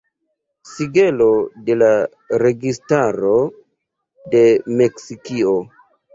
Sigelo de la registaro de Meksikio.